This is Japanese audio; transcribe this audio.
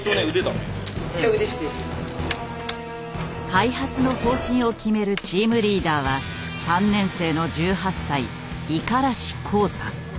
開発の方針を決めるチームリーダーは３年生の１８歳五十嵐幸多。